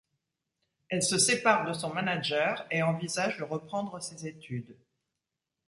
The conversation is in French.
Elle se sépare de son manager et envisage de reprendre ses études.